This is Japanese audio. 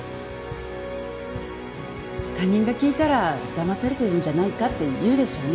他人が聞いたらだまされてるんじゃないかって言うでしょうね。